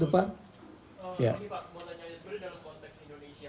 tapi pak mau tanya sebenarnya dalam konteks indonesia